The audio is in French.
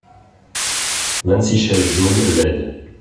vingt six chaises jaunes laides.